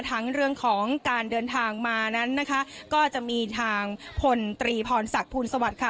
ทั้งเรื่องของการเดินทางมานั้นนะคะก็จะมีทางพลตรีพรศักดิ์สวัสดิ์ค่ะ